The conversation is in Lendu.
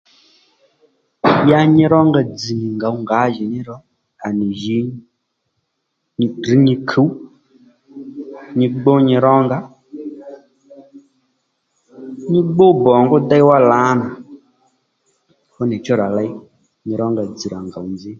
Ya nyi ró nga dzz̀ nì ngòw ngǎjì ní ro à nì jǐ nyi ddrř nyi kuw nyi gbú nyi ró nga nyi gbú bòngú déy wá lǎnà fú nì chú rà ley nyi ró dzz̀ rà ngòw nzǐ